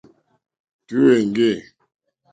Tǔ èŋɡê.